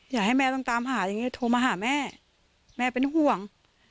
อยากให้แม่ต้องตามหาอย่างนี้โทรมาหาแม่แม่เป็นห่วง